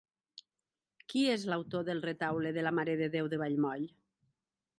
Qui és l'autor del retaule de la Mare de Déu de Vallmoll?